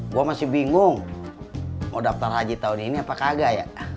gue masih bingung mau daftar haji tahun ini apa kagak ya